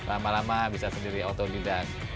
lama lama bisa sendiri ototidak